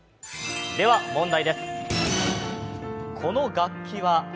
では問題です。